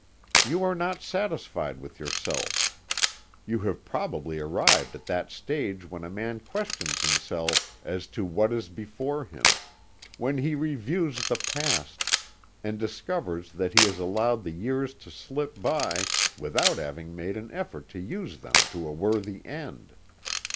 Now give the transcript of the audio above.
You are not satisfied with yourself. You have probably arrived at that stage when a man questions himself as to what is before him when he reviews the past, and discovers that he has allowed the years to slip by without having made an effort to use them to a worthy end.